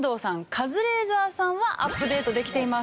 カズレーザーさんはアップデートできています。